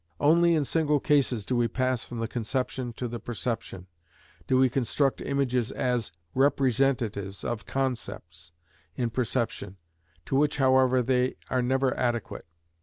Only in single cases do we pass from the conception to the perception, do we construct images as representatives of concepts in perception, to which, however, they are never adequate.